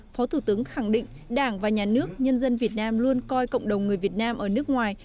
phó thủ tướng khẳng định đảng và nhà nước nhân dân việt nam luôn coi cộng đồng người việt nam ở nước ngoài